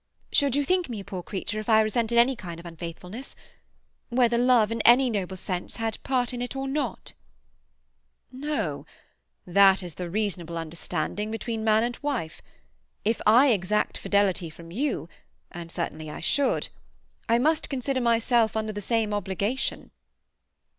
"Should you think me a poor creature if I resented any kind of unfaithfulness?—whether love, in any noble sense, had part in it or not?" "No. That is the reasonable understanding between man and wife. If I exact fidelity from you, and certainly I should, I must consider myself under the same obligation."